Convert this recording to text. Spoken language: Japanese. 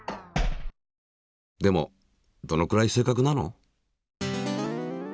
でもどのくらい正確なの？